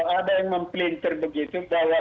kalau ada yang memplinter begitu bahwa